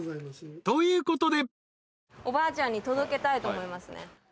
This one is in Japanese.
［ということで］